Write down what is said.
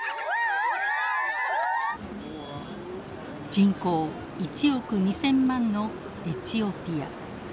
人口１億２，０００万のエチオピア。